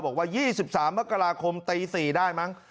บอกว่ายี่สิบสามมกราคมตีสี่ได้มั้ง